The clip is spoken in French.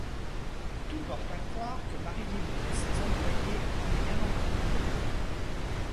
Tout porte à croire que Marie-Line et ses employées n'ont rien en commun.